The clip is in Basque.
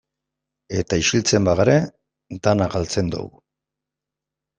Eta isiltzen bagara, dena galtzen dugu.